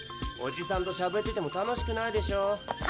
おじさんとしゃべってても楽しくないでしょ。